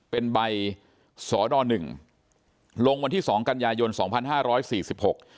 เป็นใบสอดอหนึ่งลงวันที่สองกันยายนสองพันห้าร้อยสี่สิบหก